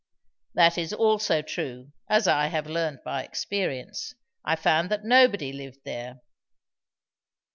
"That is also true, as I have learned by experience. I found that nobody lived there."